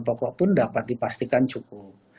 tokoh pun dapat dipastikan cukup